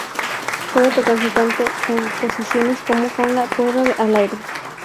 Puede tocarse tanto con posiciones como con la cuerda al aire.